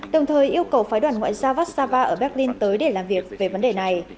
đồng thời yêu cầu phái đoàn ngoại giao vassava ở berlin tới để làm việc về vấn đề này